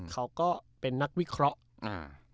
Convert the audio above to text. เขาก็เป็นนักวิเคราะห์อ่า